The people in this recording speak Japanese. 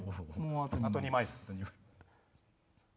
あと２枚です。